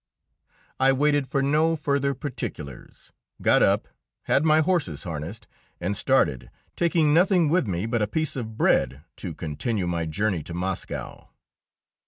I waited for no further particulars, got up, had my horses harnessed, and started, taking nothing with me but a piece of bread to continue my journey to Moscow.